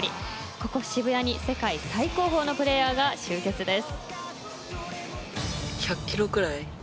ここ渋谷に世界最高峰のプレーヤーが集結です。